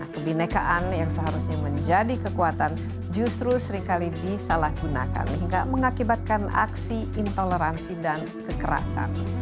kebinekaan yang seharusnya menjadi kekuatan justru seringkali disalahgunakan hingga mengakibatkan aksi intoleransi dan kekerasan